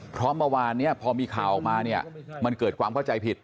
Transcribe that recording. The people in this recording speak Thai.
เพราะว่าเมื่อวานพอมีข่าวออกมามันเกิดความเข้าใจผิด